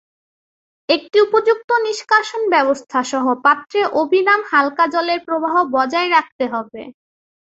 একটি উপযুক্ত নিষ্কাশন ব্যবস্থা সহ পাত্রে অবিরাম, হালকা জলের প্রবাহ বজায় রাখতে হবে।